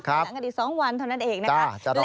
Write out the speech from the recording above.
ครับครับอีก๒วันเท่านั้นเองนะคะจ้ะจะรอ